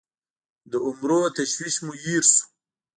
د عمرو تشویش مو هېر سوو